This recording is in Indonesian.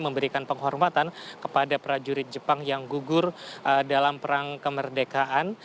memberikan penghormatan kepada prajurit jepang yang gugur dalam perang kemerdekaan